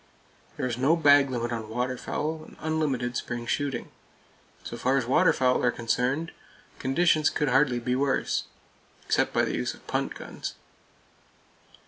There is no bag limit on waterfowl, and unlimited spring shooting. So far as waterfowl are concerned, conditions could hardly be worse, except by the use of punt guns.